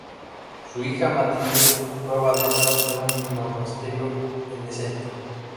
Su hija Mathilde fue abadesa de un monasterio en Essen.